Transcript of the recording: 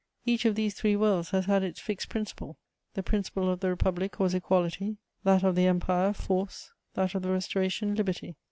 Each of these three worlds has had its fixed principle: the principle of the Republic was equality, that of the Empire force, that of the Restoration liberty.